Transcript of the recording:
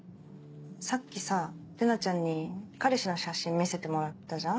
さっき玲奈ちゃんに彼氏の写真見せてもらったじゃん？